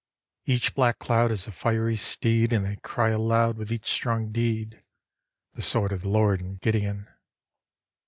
Each black cloud Is a fiery steed. And they cry aloud With each strong deed, "The sword of the Lord and Gideon."